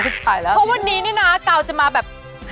ใช่แล้วอีกอย่างนี้นะเพราะวันนี้กาวจะมาแบบ